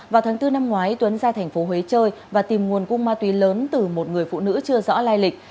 vào tháng bốn năm ngoái tuấn ra tp huế chơi và tìm nguồn cung ma túy lớn từ một người phụ nữ chưa rõ lai lịch